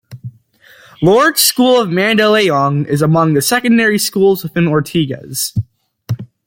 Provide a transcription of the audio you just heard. Lourdes School of Mandaluyong is among the secondary schools within Ortigas.